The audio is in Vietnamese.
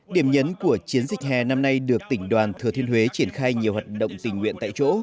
điểm nhấn của chiến dịch hè năm nay được tỉnh đoàn thừa thiên huế triển khai nhiều hoạt động tình nguyện tại chỗ